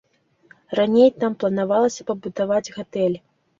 Раней там планавалася пабудаваць гатэль.